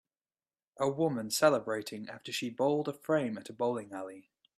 A woman celebrating after she bowled a frame at a bowling alley.